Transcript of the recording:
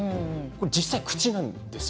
実際、口なんです。